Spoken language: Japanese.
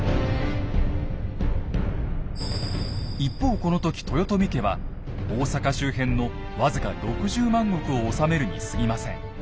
一方この時豊臣家は大坂周辺の僅か６０万石を治めるにすぎません。